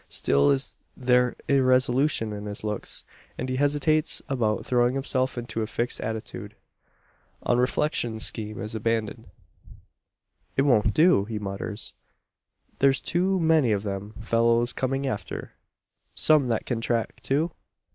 Still is there irresolution in his looks; and he hesitates about throwing himself into a fixed attitude. On reflection the scheme is abandoned. "It won't do!" he mutters. "There's too many of them fellows coming after some that can track, too?